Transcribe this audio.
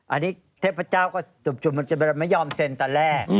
อันนี้เทพเจ้าก็จบมันจะไม่ยอมเซ็นตอนแรก